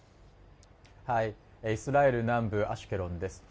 イスラエル南部アシュケロンです